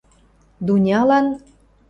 Дунялан: